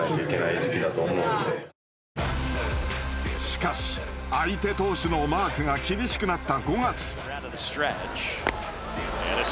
しかし相手投手のマークが厳しくなった５月。